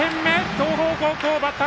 東邦高校バッター